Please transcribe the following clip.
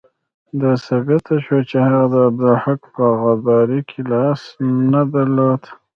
دا ثابته شوه چې هغه د عبدالحق په غداري کې لاس نه درلود.